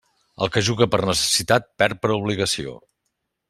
El que juga per necessitat, perd per obligació.